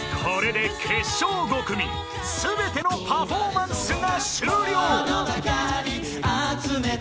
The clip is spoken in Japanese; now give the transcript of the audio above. ［これで決勝５組全てのパフォーマンスが終了］